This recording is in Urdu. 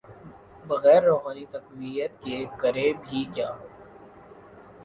بغیر روحانی تقویت کے، کرے بھی کیا۔